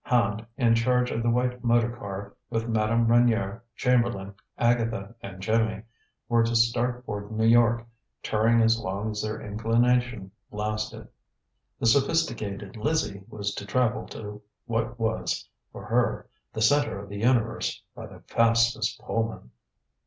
Hand, in charge of the white motor car, with Madame Reynier, Chamberlain, Agatha and Jimmy, were to start for New York, touring as long as their inclination lasted. The sophisticated Lizzie was to travel to what was, for her, the center of the universe, by the fastest Pullman.